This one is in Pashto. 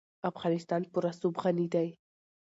افغانستان په رسوب غني دی.